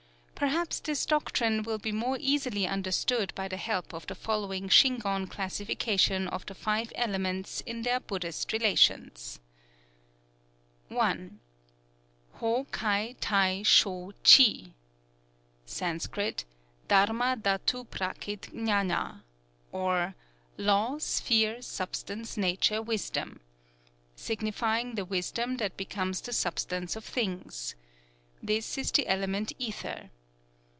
Perhaps this doctrine will be more easily understood by the help of the following Shingon classification of the Five Elements in their Buddhist relations: I. Hō kai tai shō chi (Sansc. Dhârma dhâtu prakrit gñâna), or "Law sphere substance nature wisdom," signifying the wisdom that becomes the substance of things. This is the element Ether.